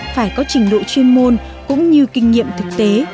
phải có trình độ chuyên môn cũng như kinh nghiệm thực tế